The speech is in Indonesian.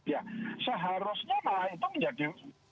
ya seharusnya itu menjadi